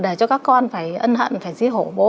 để cho các con phải ân hận phải giết hổ bố